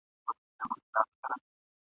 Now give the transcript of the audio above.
یا به ګوربت غوندي اسمان ته ختی !.